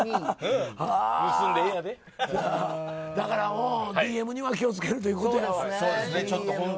だからＤＭには気を付けるということや。